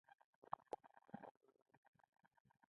له تکسي نه چې ښکته شوو.